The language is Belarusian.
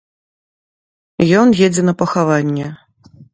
Ён едзе на пахаванне.